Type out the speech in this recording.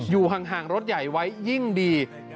อยู่ห่างรถใหญ่ไว้ยิ่งดี